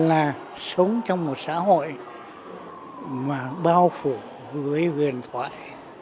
là sống trong một xã hội mà bao phủ với huyền thoại